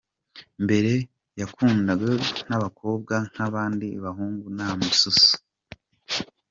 Mbere yakundanaga n’abakobwa nk’abandi bahungu nta mususu.